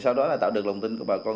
sau đó là tạo được lòng tin của bà con